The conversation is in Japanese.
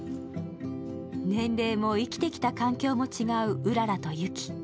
年齢も生きてきた環境も違ううららと雪。